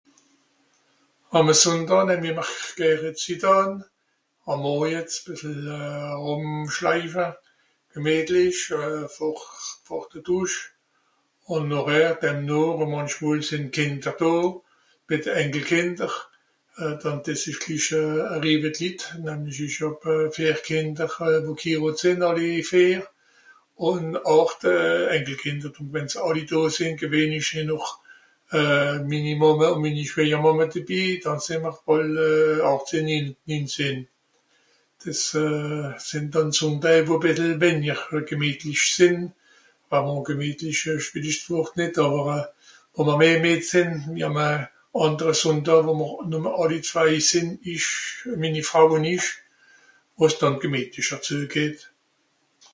Àme Sùnndàà nemm i ìmmer gère Zitt àn. Àm Morjets e bìssel rùmschleife. Gemìetlich vor... vor de Dùsch. Ùn nochher, (...) Mànchmol sìnn d'Kìnder do, mìt de Enkelkìnder euh... dànn dìs ìsch glich... e (...) Litt, ìch hàb vìer Kìnder, wo ghirot sìnn àlli vìer ùn àcht euh... Enkelkìnder. Ùn wenn se àlli do sìnn, gewìhnlich sìnn auch minni Màmme ùn minni Schwìejemàmme debi, dann sìì'mr àlle àchtzehn, ninzehn. Dìs euh.. sìnn dànn Sùnndäi, wo bìssel wenjer gemìetlich sìnn. (...) àndere Sùnndàà, wo mr numme àlli zwei sìnn, ìch... minni Frau ùn ìch, wo es dànn gemìtlicher zuegeht.